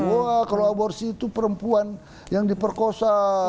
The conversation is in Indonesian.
wah kalau aborsi itu perempuan yang diperkosa